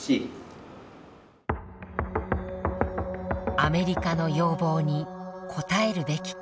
アメリカの要望に応えるべきか。